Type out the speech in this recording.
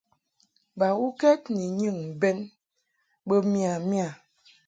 Bawuked ni nyɨŋ bɛn bə miya miya.